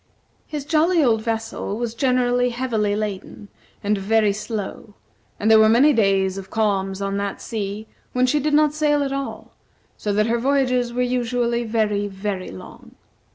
His jolly old vessel was generally heavily laden, and very slow, and there were many days of calms on that sea when she did not sail at all, so that her voyages were usually very, very long.